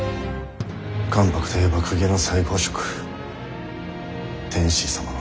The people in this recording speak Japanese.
関白といえば公家の最高職天子様の次。